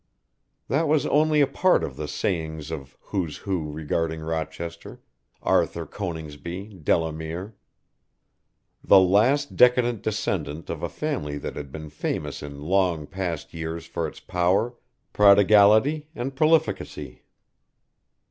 That was only a part of the sayings of "Who's Who" regarding Rochester, Arthur Coningsby, Delamere. The last decadent descendant of a family that had been famous in long past years for its power, prodigality and prolificacy.